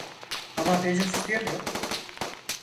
Ama ben istiyorum.